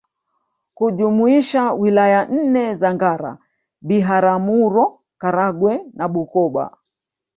kujumuisha Wilaya nne za Ngara Biharamuro Karagwe na Bukoba